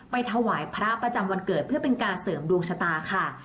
ถวายพระประจำวันเกิดเพื่อเป็นการเสริมดวงชะตาค่ะ